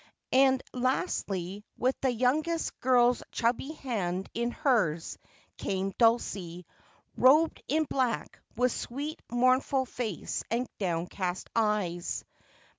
And lastly, with the youngest girl's chubby hand in hers, came Dulcie, robed in black, with sweet, mournful face and downcast eyes.